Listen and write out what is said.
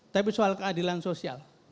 tapi soal keadilan sosial